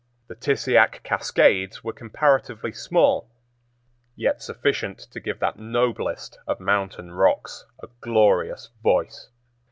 The Tissiack Cascades were comparatively small, yet sufficient to give that noblest of mountain rocks a glorious voice.